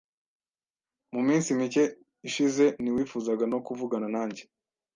Mu minsi mike ishize, ntiwifuzaga no kuvugana nanjye .